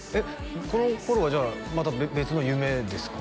この頃はじゃあまた別の夢ですか？